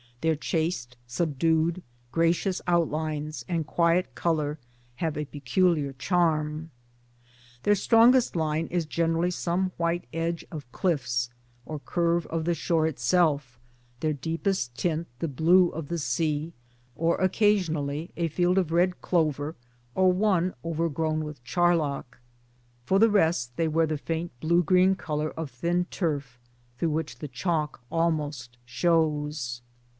Their chaste subdued gracious outlines and quiet colour have a peculiar charm. [Their strongest line is generally some white edge BRIGHTON, 23 of cliffs or curve of the shore itself, their deepest tint the blue of the sea or occasionally a field of red clover or one overgrown with charlock. For the rest they wear the faint blue green colour of thin turf through which the chalk almost shows.